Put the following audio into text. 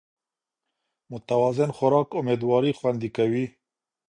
متوازن خوراک امېدواري خوندي کوي